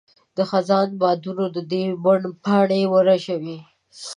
د خزان بادونو د دې بڼ پاڼې ورژول.